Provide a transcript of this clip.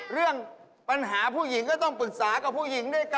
เรื่องปัญหาผู้หญิงก็ต้องปรึกษากับผู้หญิงด้วยกัน